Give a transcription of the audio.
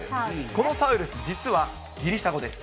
このサウルス、実は、ギリシャ語です。